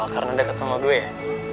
karena deket sama gue ya